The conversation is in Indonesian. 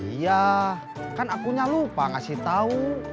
iya kan aku nya lupa ngasih tau